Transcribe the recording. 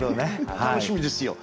楽しみですよ。